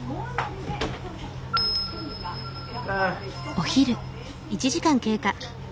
お昼。